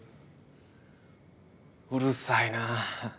うるさいなぁ。